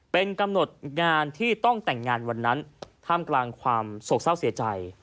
เป็นกำหนดงานที่ต้องแต่งงานวันนั้นท่ามกลางความโศกเศร้าเสียใจ